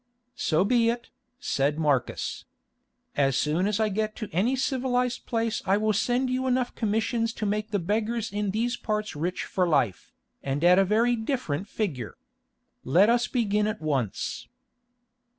"So be it," said Marcus. "As soon as I get to any civilised place I will send you enough commissions to make the beggars in these parts rich for life, and at a very different figure. Let us begin at once."